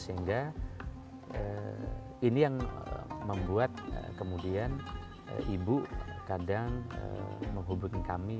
sehingga ini yang membuat kemudian ibu kadang menghubungi kami